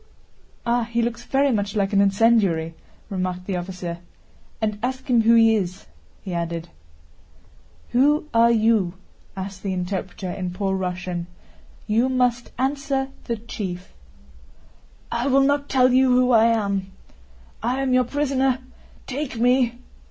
"Ah, he looks very much like an incendiary," remarked the officer. "And ask him who he is," he added. "Who are you?" asked the interpreter in poor Russian. "You must answer the chief." "I will not tell you who I am. I am your prisoner—take me!"